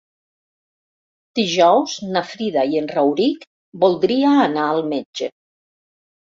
Dijous na Frida i en Rauric voldria anar al metge.